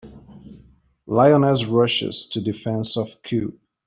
Lioness Rushes to Defense of Cub.